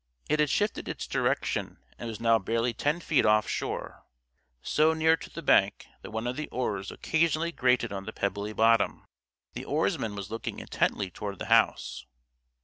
It had shifted its direction and was now barely ten feet off shore so near to the bank that one of the oars occasionally grated on the pebbly bottom. The oarsman was looking intently toward the house.